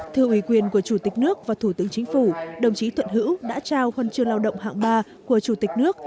thưa ủy quyền của chủ tịch nước và thủ tướng chính phủ đồng chí thuận hữu đã trao huân chương lao động hạng ba của chủ tịch nước